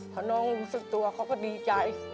พอน้องรู้สึกตัวเขาก็ดีใจ